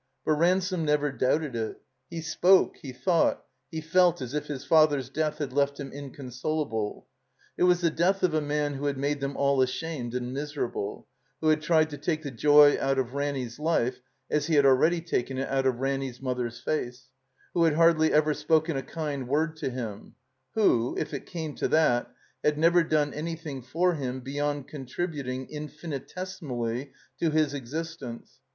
But Ransome never doubted it. He spoke, he thought, he felt as if his father's death had left him inconsolable. It was the death of a man who had made them all ashamed and miserable; who had tried to take the joy out of Raimy's life as he had already taken it out of Ranny 's mother's face; who had hardly ever spoken a kind word to him; who, if it came to that, had never done axtyihing for him beyond contributing, infinitesimally, to his exist ence.